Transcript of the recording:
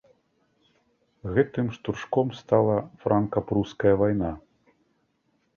Гэтым штуршком стала франка-пруская вайна.